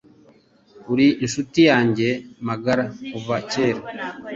Uri inshuti yanjye magara kuva kera